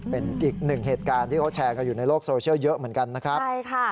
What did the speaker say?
เป็นอีกหนึ่งเหตุการณ์ที่เขาแชร์กันอยู่ในโลกโซเชียลเยอะเหมือนกันนะครับใช่ค่ะ